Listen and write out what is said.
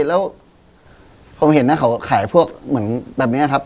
แต่่มันเห็นมันเอาขายพวกแบบนี้ครับ